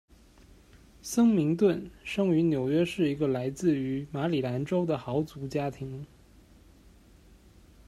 森明顿生于纽约市一个来自于马里兰州的豪族家庭。